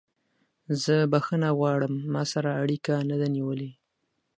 زه بخښنه غواړم ما سره اړیکه نه ده نیولې.